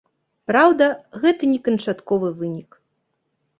Праўда, гэта не канчатковы вынік.